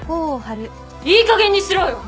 いいかげんにしろよ！